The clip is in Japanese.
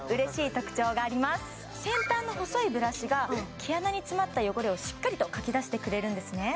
先端の細いブラシが毛穴に詰まった汚れをしっかりとかき出してくれるんですね